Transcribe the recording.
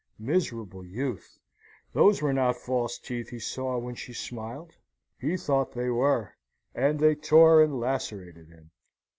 Miserable youth! Those were not false teeth he saw when she smiled. He thought they were, and they tore and lacerated him.